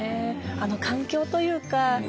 あの環境というか。